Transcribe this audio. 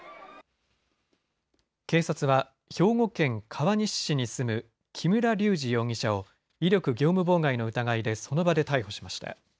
警察は、兵庫県川西市に住む木村隆二容疑者を威力業務妨害の疑いでその場で逮捕しました。